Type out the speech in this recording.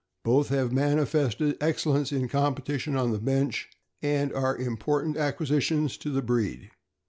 Both have manifested excellence in competition on the bench, and are important acquisitions to the breed.